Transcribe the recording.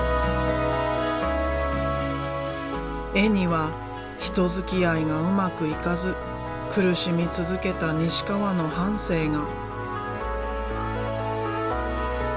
絵には人づきあいがうまくいかず苦しみ続けた西川の半生が。